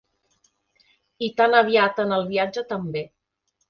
I tan aviat en el viatge també.